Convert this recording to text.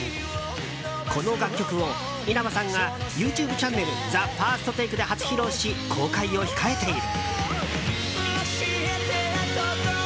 この楽曲を稲葉さんがＹｏｕＴｕｂｅチャンネル「ＴＨＥＦＩＲＳＴＴＡＫＥ」で初披露し、公開を控えている。